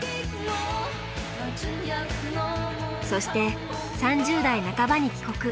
そして３０代半ばに帰国。